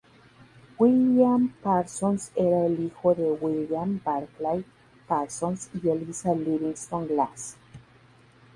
William Parsons era el hijo de William Barclay Parsons y Eliza Livingston Glass.